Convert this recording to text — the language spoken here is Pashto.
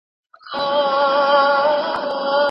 ناڅاپه غوسه د کورنۍ اړیکو ته تاوان رسوي.